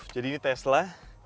jadi ini tesla